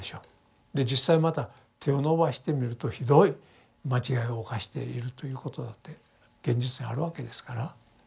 実際また手を伸ばしてみるとひどい間違いを犯しているということだって現実にあるわけですから。